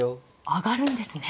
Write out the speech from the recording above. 上がるんですね。